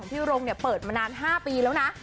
ของพี่รงเนี่ยเปิดมานาน๕ปีแล้วนะ